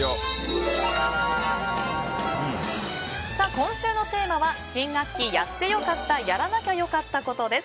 今週のテーマは新学期やってよかった・やらなきゃよかったコトです。